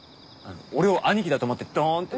俺を兄貴だと思ってドンと。